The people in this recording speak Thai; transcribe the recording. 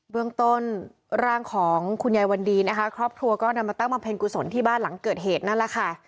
เรื่องต้นร่างของคุณยายวันดีนะคะครอบครัวก็นำมาตั้งบำเพ็ญกุศลที่บ้านหลังเกิดเหตุนั่นแหละค่ะ